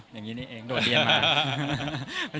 อย่างนี้นี่เองโดดเรียนมา